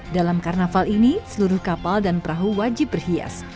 dalam karnaval ini seluruh kapal dan perahu wajib berhias